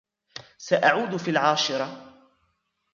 سأعود في العاشرة.